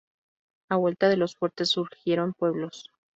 A vuelta de los fuertes surgieron pueblos.